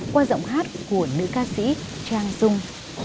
qua giọng hát của nữ ca sĩ trang dung